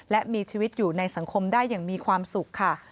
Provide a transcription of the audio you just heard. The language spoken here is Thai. และมีชีวิตอยู่ในสังคมได้อย่างมีความสุขค่ะ